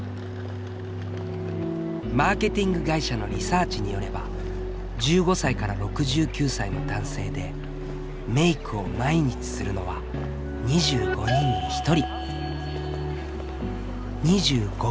マーケティング会社のリサーチによれば１５歳６９歳の男性でメイクを毎日するのは２５人に１人。